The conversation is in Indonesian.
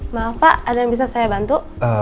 maaf pak ada yang bisa saya bantu